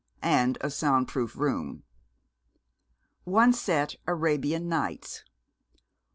(And a sound proof room.) One set Arabian Nights.